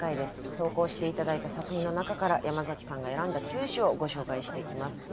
投稿して頂いた作品の中から山崎さんが選んだ９首をご紹介していきます。